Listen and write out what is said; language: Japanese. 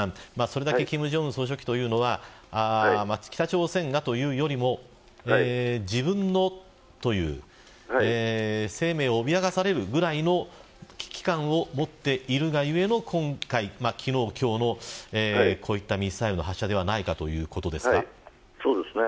金正恩総書記は北朝鮮が、というよりも自分の生命を脅かされるぐらいの危機感を持っているが故の昨日、今日のミサイルの発射ではないかということですかね。